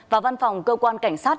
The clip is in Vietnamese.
và văn phòng cơ quan cảnh sát